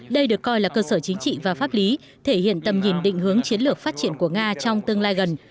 đây được coi là cơ sở chính trị và pháp lý thể hiện tầm nhìn định hướng chiến lược phát triển của nga trong tương lai gần